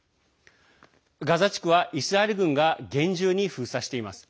ガザ地区はイスラエル軍が厳重に封鎖しています。